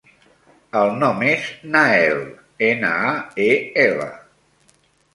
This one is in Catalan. El nom és Nael: ena, a, e, ela.